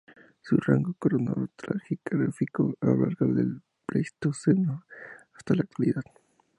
Su rango cronoestratigráfico abarcaba desde el Pleistoceno hasta la Actualidad.